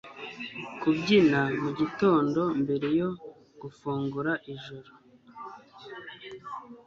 kubyina mugitondo mbere yo gufungura ijoro